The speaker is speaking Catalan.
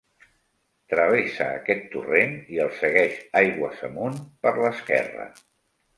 Travessa aquest torrent, i el segueix aigües amunt per l'esquerra.